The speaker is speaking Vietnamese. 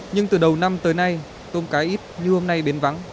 nhưng từ đầu năm tới nay tôm cá ít như hôm nay bến vắng